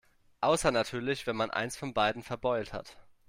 Außer natürlich, wenn man eins von beiden verbeult hat.